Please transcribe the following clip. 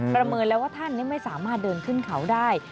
เมินแล้วว่าท่านไม่สามารถเดินขึ้นเขาได้